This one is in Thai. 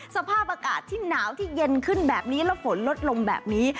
สภาพอากาศที่หนาวที่เย็นขึ้นแบบนี้แล้วฝนลดลงแบบนี้